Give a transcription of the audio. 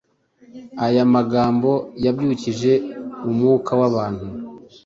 Aya magambo yabyukije ubwaka bw’abantu.